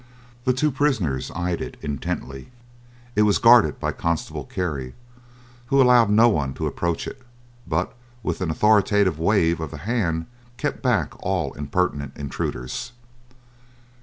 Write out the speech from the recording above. The two prisoners eyed it intently. It was guarded by constable Kerry, who allowed no one to approach it, but with an authoritative wave of the hand kept back all impertinent intruders.